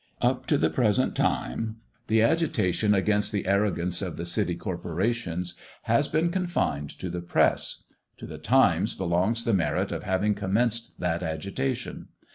Up to the present time, the agitation against the arrogance of the city corporations has been confined to the press; to the "Times" belongs the merit of having commenced that agitation.